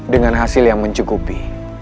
dengan hasil yang mencukupi